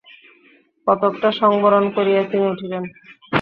কতকটা সংবরণ করিয়া তিনি উঠিলেন।